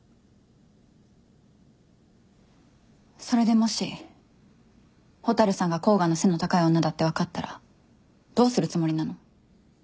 それでもし蛍さんが甲賀の背の高い女だって分かったらどうするつもりなの？